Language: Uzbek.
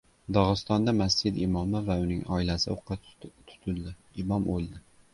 Dog‘istonda masjid imomi va uning oilasi o‘qqa tutildi. Imom o‘ldi